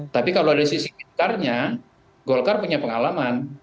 tapi kalau dari sisi golkarnya golkar punya pengalaman